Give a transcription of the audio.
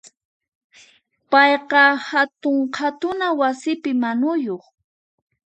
Payqa hatun qhatuna wasipi manuyuq.